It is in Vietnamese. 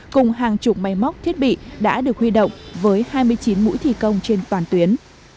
cùng hàng chục máy móc thiết bị đã được huy động với hai mươi chín mũi thi công trên toàn tuyến